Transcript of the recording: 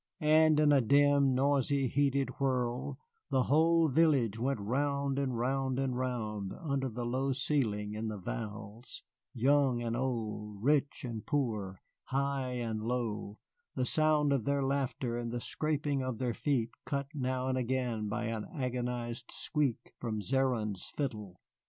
And in a dim, noisy, heated whirl the whole village went round and round and round under the low ceiling in the valse, young and old, rich and poor, high and low, the sound of their laughter and the scraping of their feet cut now and again by an agonized squeak from Zéron's fiddle.